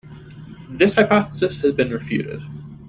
This hypothesis has been refuted.